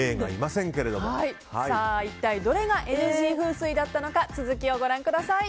一体どれがＮＧ風水だったのか続きをご覧ください。